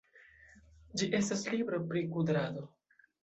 Ĝi estas libro pri kudrado.